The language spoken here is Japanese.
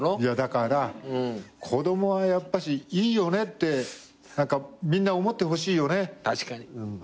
いやだから子供はやっぱしいいよねってみんな思ってほしいよね。